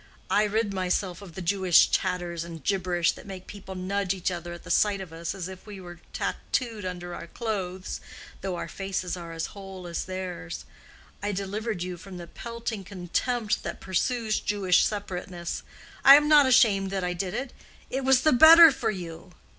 I rid myself of the Jewish tatters and gibberish that make people nudge each other at sight of us, as if we were tattooed under our clothes, though our faces are as whole as theirs. I delivered you from the pelting contempt that pursues Jewish separateness. I am not ashamed that I did it. It was the better for you."